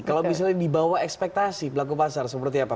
kalau misalnya di bawah ekspektasi pelaku pasar seperti apa